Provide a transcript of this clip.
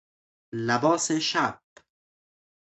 لباس شب